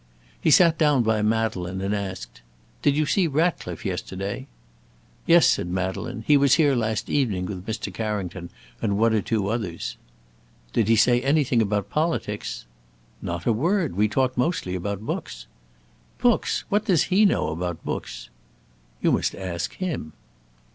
He sat down by Madeleine, and asked, "Did you see Ratcliffe yesterday?" "Yes," said Madeleine; "he was here last evening with Mr. Carrington and one or two others." "Did he say anything about politics?" "Not a word. We talked mostly about books." "Books! What does he know about books?" "You must ask him."